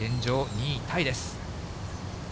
２位タイです。